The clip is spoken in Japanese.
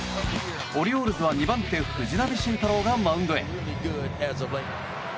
オリオールズは２番手藤浪晋太郎がマウンドへ。